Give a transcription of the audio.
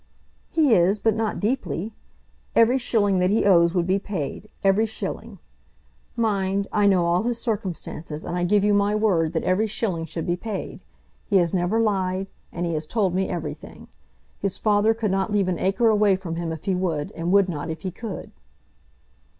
"He is, but not deeply. Every shilling that he owes would be paid; every shilling. Mind, I know all his circumstances, and I give you my word that every shilling should be paid. He has never lied, and he has told me everything. His father could not leave an acre away from him if he would, and would not if he could."